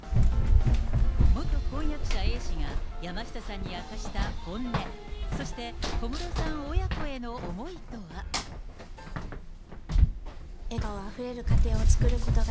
元婚約者、Ａ氏が山下さんに明かした本音、そして小室さん親子への思いとは。